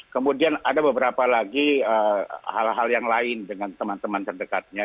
kemudian ada beberapa lagi hal hal yang lain dengan teman teman terdekatnya